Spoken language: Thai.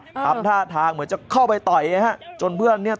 อือลองท่าทางเหมือนจะเข้าไปต่อยอย่างเงี้ยฮะ